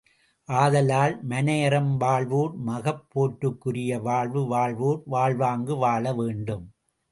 ஆதலால், மனையறம் வாழ்வோர் மகப்பேற்றுக்குரிய வாழ்வு வாழ்வோர் வாழ்வாங்கு வாழ வேண்டும்.